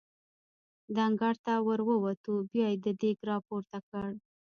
د انګړ ته ور ووتو، بیا یې دېګ را پورته کړ.